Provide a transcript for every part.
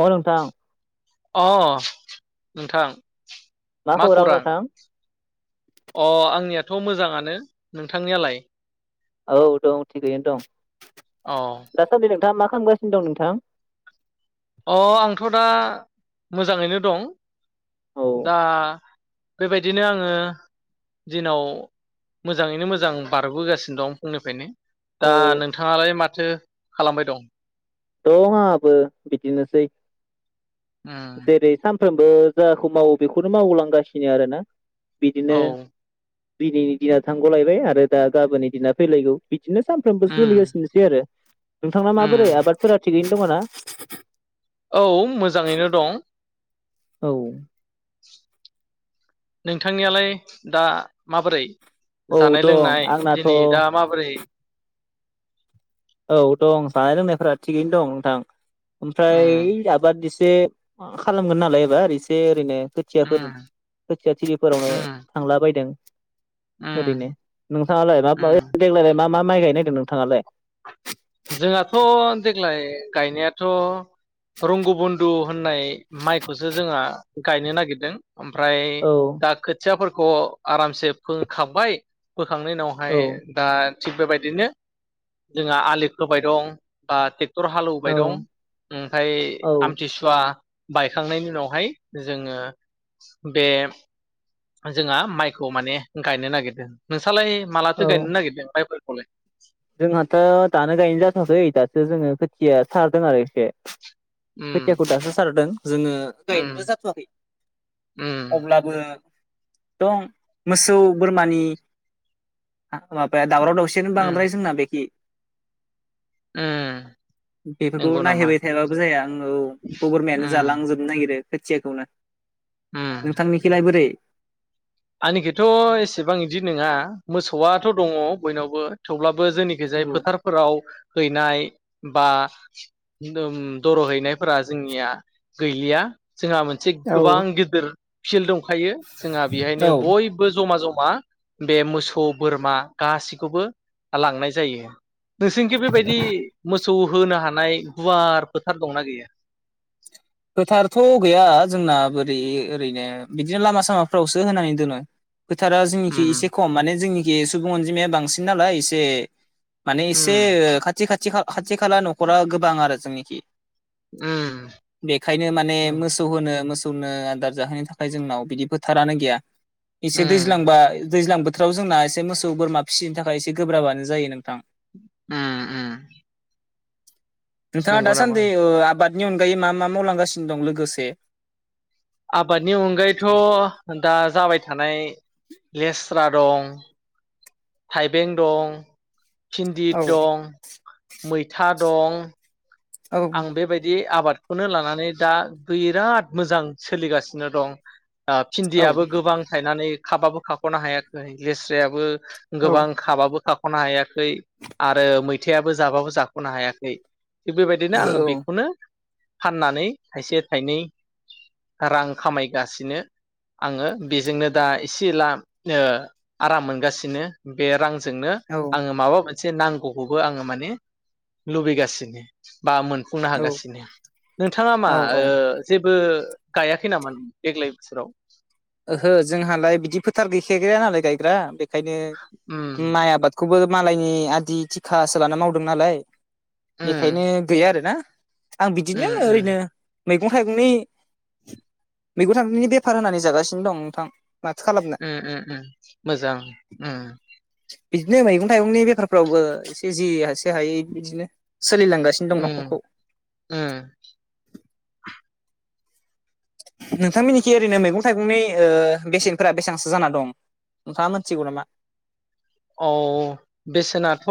अ नोंथां। अ नोंथां। मा खौरां नोंथां अ आंनियाथ' मोजाङानो नोंथांनियालाय? औ दं थिगैनो दं। अ दासान्दि नोंथाङा मा खामगासिनो दं नोंथां? अ आंथ' दा मोजाङैनो दं। औ दा बेबायदिनो आङो दिनाव मोजाङैनो मोजां बारबोगासिनो दं फुंनिफ्रायनो। दा औ नोंथाङालाय माथो खालामबाय दं? दं आंबो बिदिनोसै। उम जेरै सा सानफ्रोमबो जाखौ मावो बेखौनो मावलांगासिनो आरोना। औ बिदिनो दिनैनि दिना थांगलायबाय आरो दा गाबोननि दिना फैलायगौ। बिदिनो सानफ्रोमबो उम सोलिगासिनोसै आरो। नोंथां ना माबोरै उम आबाद? बा थिगैनो दंना? औ मोजाङैनो दं। औ। नोंथांनियालाय दा माबोरै? औ जानाय दं लोंनाय आंनाथ' दिनै दा औ माबोरै? औ दं जानाय लोंनायफोरा थिगैनो दं नोंथां। उम ओमफ्राय आबाद एसे खालामगोन नालाय एबार एसे ओरैनो। खोथियाफोर उम खोथिया थिरिफोरावनो उम थांला बायदों। उम ओरैनो नोंथाङालाय मा उम देग्लाय मा मा? माइ गायनायदों नोंथाङालाय? जोंहाथ देग्लाय गायनायाथ रंगुबन्न्दु होननाय माइखौसो जोंहा गायनो नागिरदों। ओमफ्राय औ दा खोथियाफोरखौ खौ आरामसे फोंखांबाय फोखांनायनि उनावहाय औ दा थिग बेबायदिनो जोंहा आलि होबाय दं बा थि थर हालौउबाय औ दं ओमफ्राय औ आमथिसुवा बायखांनायनि उनावहाय जोङो बे जोंहा माइखौ माने गायनो नागिरदों नोंस सालाय मालाथो औ गायनो नागिरदों मायफोरखौ? फले जोंहाथ दानो गायनाय जाथवाखै दासो जोङो खोथिया सारदों आरो एसे उम खोथियाखौ दासो सारदों जोङो उम गायनोबो जाथवाखै उम अब्लाबो दं मोसौ बोरमानि माबाया दाउराव दाउसियानो उम बांद्राय बेखि उम बेफोरखौ नंगौ नामा नायहैबाय थायाबाबो जाया ओं औ बोरमायानो उम जालांजोबनो नागिरो खोथियाखौ ला नोंथांनिखलाय बोरै आंनिखिथ एसेबां बिदि नोङा मोसौआथ दङ बयनावबो थेवब्लाबो बो जोनिखि जाय फोथारफोराव हैनाय बा नोम दर हैनायफोरा जोंनिया गैलिया जोंहा मोनसे औ गोबां गिदिर सिलदुं खायो जोंहा नो औ बो जमा जमा बे मोसौ बोरमा गाैसैखौबो लांनाय जायो । नोंसिनिखि बेबायदि मो सौ होनो हानाय गुवार फोथार दंना गैया? फोथारथ गैया जोंना बोरै ओरैनो बिदिनो लामा सामाफ्रावसो होनानै दोनो। फोथारा जोंनिखि उम एसे खम माने जोंनि ए सुबुं अनजिमाया बांसिन नालाय एसे माने इसे उम ओ खाथि खाथि खा खाथि खाला नखरा गोबां आरो जोंनिखि। उम बेखायनो माने उम मोसौ होनो मोसौ खौनो आदार जाहोनो थाखाय जोंनाव बिदि फोथारानो गैया। एसे उम दैज्लांबा दैज्लां बोथोराव जोंना एसे मोसौ बोरमा फिसिनो थाखाय एसे गोब्राबानो जायो नोंथां। उम उम। नोंथाङा नंगौ नामा दासान्दि ओ आबाद बेनि अनगायै मा मा मावलांगासिनो दं लोगोसे आबादनि अनगायैथ दा जाबाय थानाय लेस्रा दं। थाइबें दं। फिन्दि औ दं। मैथा दं आं बेबायदि आबादखौनो लानानै दा बिराद मोजां सोलिगासिनो दं। औ फिन्दियाबो गोबां थायनानै खाबाबो खाखनो हायाखै लेस्रायाबो औ गोबां खाबाबो खा खनो हायाखै आरो मैथायाबो जाबाबो जाखनो हायाखै बे बो बिदिनो आङो बेखौनो फाननानै थाइसे थाइनै रां खामायगासिनो आङो बेजोंनो दा एसे एला ओ आराम मोनगासिनो बे रां जोंनो आङो माबा मोन से नांगौखौबो आङो माने लुबैगासिनो। बा मोनफुंनो औ हागासिनो नोंथाङा मा औ औ ओ जेब बो गायाखै नामा देग्लाय बोसोराव? ओहो जोंहालाय बिदि फोथार गैखायाखै नालाय गायग्रा ओंखायनो उम माइ आबाद खौबो मालायनि आदि थिखासो लाना मावदों नालाय उम बेखायनो गैया आरो ना। आं उम बिदिनो उम ओरैनो मैगं थाइगंनि मैगं थाइगंनि बेफार होनानै जागासि नो दं नोंथां। माथो खालामनो उम उम उम मोजां उम बिदिनो मैगं थाइगंनि बेफारफ्रावबो इसे जि हासे हायो बिदिनो। सोलिलांगासिनो दं उम नखरखौ उम नोंथांमिननिखि ओरैनो मैगं थाइगंनि ओ बेसेनफोरा बेसांसो जाना दं नोंथाङा मोनथिगौ नामा? औ बेसेनाथ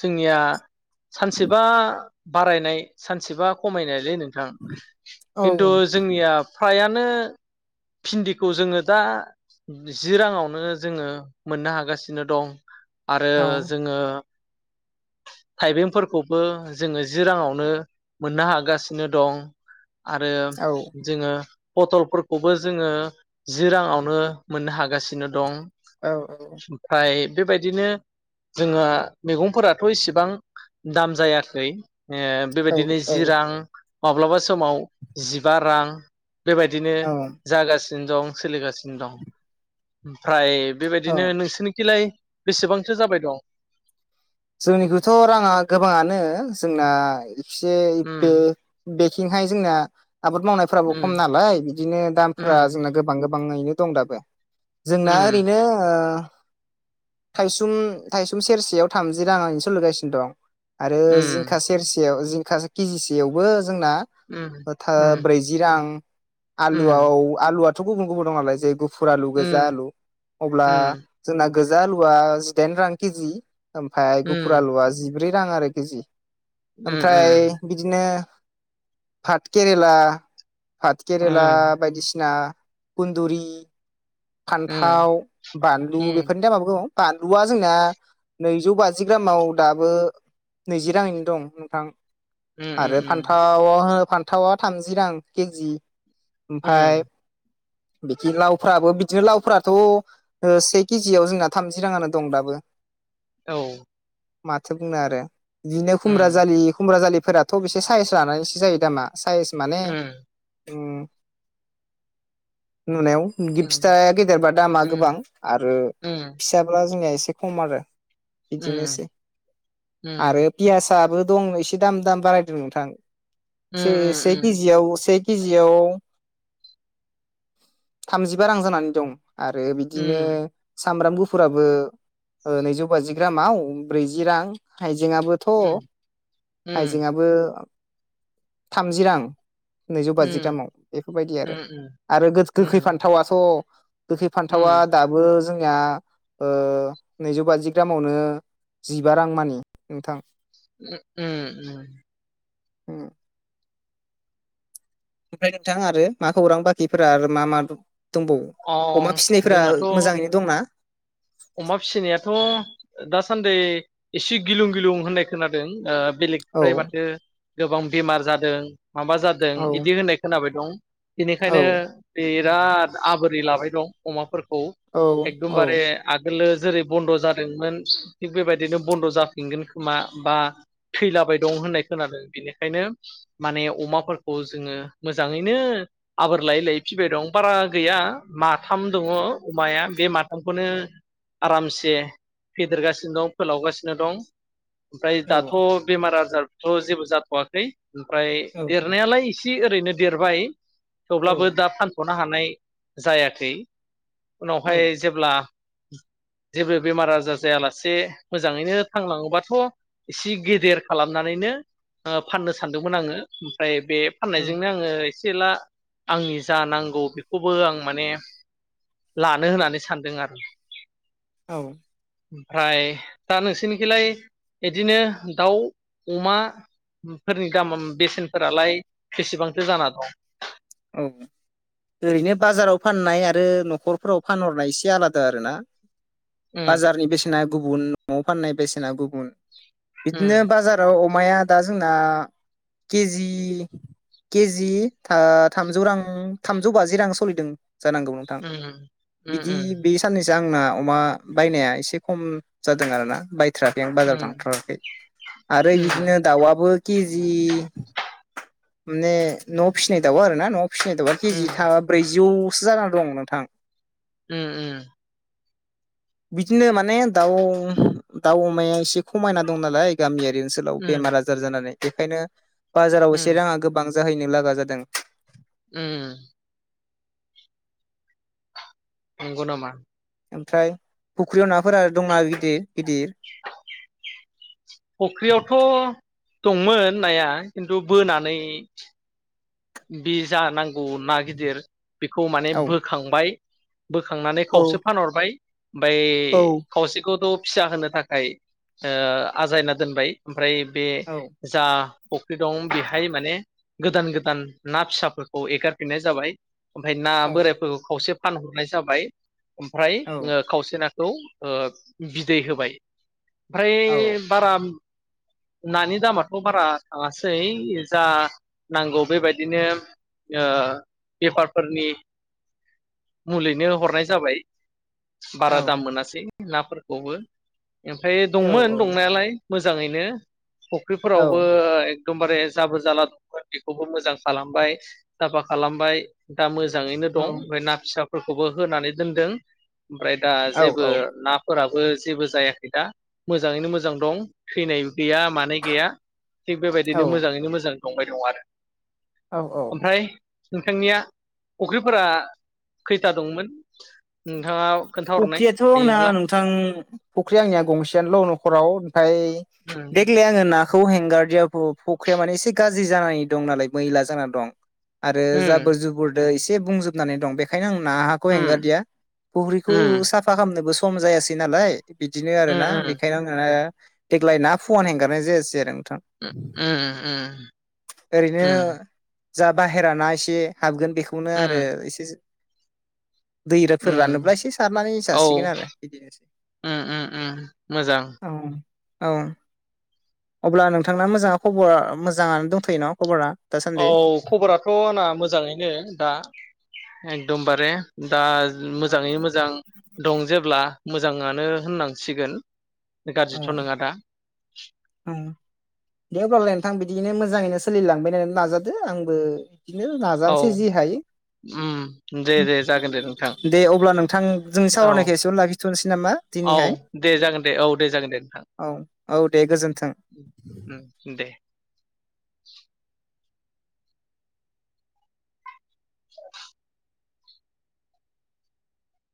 जोंनिया सानसेबा बारायनाय सानसेबा खमायनायलै नों थां औ किन्तु जोंनिया फ्राया नो भिन्दिखौ जोङो दा जि राङावनो जोङो। मोननो हागासिनो दं। आरो औ जोङो थाइबेंफोरखौबो जोङो जि राङावनो मोननो हागासिनो दं। आरो औ जोङो पटलफोरखौबो जोङो जि राङावनो मोननो हागासिनो दं। औ औ ओमफ्राय बेबायदिनो जोंहा मैगंफोराथ इसेबां दाम जायाखै ए बेबायदिनो औ जि रां माब्लाबा समाव जिबा रां बेबायदिनो औ जागासिनो दं। सोलिगासिनो दं ओमफ्राय औ बेबायदिनो नोंसोर निखिलाय? बेसेबांथो जाबाय दं? जोंनिखौथ राङा गोबाङानो जोंना से बे उम बे थिंहाय जोंना आबाद मावनायफ्राबो खम उम नालाय बिदिनो दामफोरा उम जोंना गोबां गोब बाङैनो दं दाबो। जोंना उम ओरैनो ओ थाइसुम थाइसुम सेरसेयाव थामजि राङानो सोलगासिनो दं। आरो जिंखा उम सेरसेयाव जि काज केजिसेयावबो जोंना उम ओ था उम ब्रैजि रां आलुआव उम आलुआथ थु गुबुन गुबुनाव मालाय जे गु फुर आलु गोजा उम आलु अब्ला उम जोंना गोजा आलुवा जिदाइन रां केजि। ओमफाय गुफुर उम आलुआ जिब ब्रै रां आरो केजि । उम ओमफ्राय बिदिनो फाटकेरेला फातकेेरेला उम बायदिसिना खुन्दुरि उम फान्थाव, बानलु बेफोरनि दामाबो गोबाव बानलुवा जोंना नैजौ बाजि ग्रामाव दाबो नैजि राङैनो दं नोंथां उम आरो फान्थावा फान्थावा थामजि रां केजि ओमफाय उम बिखि लावफ्राबो बिदिनो लावफ्राथ'ओ से केजियाव जोंना थामजि राङानो दं दाबो औ माथो बुंनो आरो बिदिनो खुमब्रा उम जालि खुमब्रा जालि फोराथ' बेसे साइस लानानैसो जायो दामा सायस माने उम उम नुनायाव उम गि-फिथाया गेदेरबा दामा उम गोबां आरो उम फिसाब्ला जोंनिया एसे खम आरो बिदिनोसै आरो उम पियास याबो दं एसे दाम-दाम बारायदों नोंथां । उम उम से-से केजियाव से केजियाव थामजिबा रां जानानै दं । आरो बिदिनो सामब्राम गुफुर फोराबो ओ नैजौ बाजि ग्रामाव ब्रैजि रां हाय जेंआबोथ' हाइजेंआबो थामजि रां नैजौ बाजि ग्रामाव बेफोरबायदि आरो आरो गो-गोखै फान्थावाथ' गोखै फान्थावा उम उम दाबो जोंनिया ओ नैजौ बाजि ग्रामावनो जिबा रां मानि नोंथां उम उम उम ओमफ्राय नोंथां आरो मा खौरां बाखिफोरा आरो मा मा दं अ जोंनाथ' मोजाङैनो दंना अमा फिनायाथ' दासान्दै एसे गिलुं गिलुं होननाय खोनादों ओ बेलेग औ फ्राय माथो गोबां बेमार जादों माबा जादों औ बिदि होननाय खोनाबाय दं औ बेनिखायनो बेयो जाथ आबोरै लाबाय दं अमाफोर औ एकदमबारे औ आगोलो जेरै बन्द जादोंमोन थिग बेबायदिनो बन्द जाफिनगोन खोमा बा थैलाबाय दं होननाय खोनादों बेनिखायनो माने अमाफोरखौ जोङो मोजाङैनो आबोर लायै लायै फिसिबाय दं बारा गैया माथाम दङ अमाया बे माथामखौनो आरामसे फेदेरगासिनो दं फोलावगासिनो दं। ओमफ्राय औ दाथ बेमार आजार थ जेबो जाथवाखै। ओमफ्राय देरनायालाय एसे इसे ओरैनो देरबाय। औ थेवब्लाबो दा फान थनो हानाय जायाखै। औ उनावहाय जेब्ला जेबो बेमार आजार जायालासे मोजाङैनो थांलाङोबाथ एसे गेदेर खालामनानैनो ओ फाननो सानदोंमोन आङो ओमफ्राय बे फाननायजोंनो आङो एसे एसै एला आंनि जा नांगौ बे खौबो आं माने लानो होननानै सानदों आरो औ ओमफ्राय दा नोंसोरनिखिलाय बिदिनो दाउ अमाफोरनि दाम बेसेनफोरालाय बेसेबांथो जाना दं? औ ओरैनो बाजाराव फाननाय आरो नखरफोराव फानहरनाय एसे आलादा आरोना उम बाजारनि बेसेना गुबुन नआव फाननाय बेसेना गुबुन बिदिनो उम बाजाराव अमाया दा जोंना केजि केजि था थामजौ रां थामजौ बाजि रां सोलिदों। जानांगौ नोंथां उम बिदि बे साननैसो आंना अमा बायनाया एसे खम जादों आरोना बाय थ्राखै आं बाजाराव उम थांथाराखै आरो उम बिदिनो दाउआबो केजि ने नवाव फिसिनाय दाउआ आं ना न फिसिनाय दाउआ उम केजि थाम ब्रैजौ सो जानानै दं नोंथां। उम उम। बिदिनो माने दाउ दाउ अमाया एसे खमायना दं नालाय। गामियारि ओनसोलाव उम बेमार आजार जानानै। बेखायनो बाजाराव उम एसे राङा गोबां जाहैनो लागा जादों। उम उम। नंगौनामा। ओमफ्राय फुख्रियाव नाफोरा दंना गिदिर। गिदिर। फख्रि आवथ' तत दंमोन नाया खिन्थु बोनानै बे जानां अ' ना गिदिर बेखौ माने औ बोखांबाय बोखांनानै औ खावसे फानहरबाय। बोय औ खावसेखौथ' फिसा होनो थाखाय ओ आजायना दोनबाय। ओमफ्राय बे औ जा फख्रि दं बेहाय माने गोदान गोदान। ना फिसाफोरखौ एगारफिननाय जाबाय। ओमफ्राय ना बोरायफोरखौ खावसे फानहरनाय जाबाय। ओमफ्राय औ ओ खावसेना खौ ओ बिदै होबाय। औ ओमफ्राय बारा नानि दामाथ' बारा थाङासै जा नांगौ बेबायदिनो ओ बेफारफोरनि मुलैनो हरनाय जाबाय। बारा दाम मोनासै। नाफोरखौबो ओमफ्राय औ दंमोन दंनायालाय। मोजाङैनो। औ फुख्रिफोरावबो एकदमबारे जाबोर जाला दंमोन बेखौबो मोजां खालामबाय साफा खालामबाय दा मोजां मोजाङैनो दं ओमफ्राय ना फिसा फोरखौबो होनानै दोनदों। ओमफ्राय दा जेबो नाफोरा ओ जेबो जायाखै दा मोजाङैनो मोजां दं थैनाय गैया माने गैया थिग औ बेबायदिनो मोजाङैनो मोजां संबाय दं आरो औ औ। ओमफ्राय नोंथांनिया फख्रिफोरा खैथा दंमोन? नोंथाङा खोन्थाहरनाय फख्रियाथ' आंना हायोब्ला नोंथां फख्रिया आंनिया गंसेयानोल' नख'राव। फाय उम देग्लाय आङो नाख खौ हेंगारदियाब फ' फख्रिया माने एसे गाज्रि जानाय दं नालाय मैला जाना दं। आरो उम जाबोर-जुबुर एसे बुंजोबनानै दं बेखायनो आं नाखौ उम हेंगारदिया। फख्रिखौ उम साफा खाम खालामनोबो सम जायासै नालाय बिदिनो आरो उम ना उम बेखायनो आङो देग्लाय ना फुवान हेंगारनाय जायासै आरो आं। थां उम उम ओरैनो उम जा बाहेरा ना एसे हाबगोन बेख बेखौनो आरो उम एसे जो दै फोरानोब्ला उम एसे सारनानै औ जासिगोन उम आरो बिदिनोसै उम उम, मोजां। औ औ अब्ला नोंथांना मोजाङा खबर मोजाङानो दंथयो ना खबरा? दासान्दि? औ खबराथ‌ आंना मोजाङैनो दा। एकदम बारे दा मोजाङै मोजां दं जेब्ला मोजाङानो होननांसिगोन औ गाज्रिथ' नङा दा औ दे हब्लालाय नोंथां बिदिनो मोजाङैनो सोलिलांबायनानै नाजादो आंबो बिदिनो औ नाजानोसै जि हायो उम दे दे जागोन दे नोंथां दे अब्ला नोंथां जोंनि औ सावरायनायखो एसेयावनो लाखिथ'निसै नामा औ दिनैहाय। दे जागोन दे औ दे जागोन दे नोंथां औ औ दे गोजोन्थों। उम दे। [unintelligible] औ